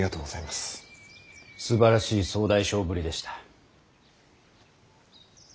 すばらしい総大将ぶりでした。